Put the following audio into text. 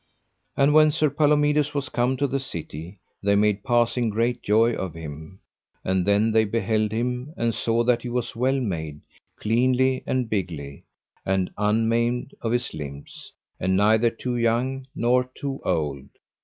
And when Sir Palomides was come to the city they made passing great joy of him, and then they beheld him, and saw that he was well made, cleanly and bigly, and unmaimed of his limbs, and neither too young nor too old.